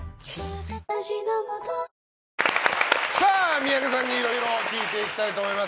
三宅さんにいろいろ聞いていきたいと思います。